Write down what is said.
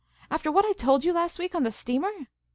After what I told you last week on the steamer